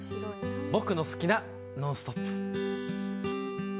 「僕の好きなノンストップ！」。